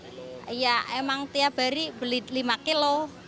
jadi ya emang tiap hari beli lima kilo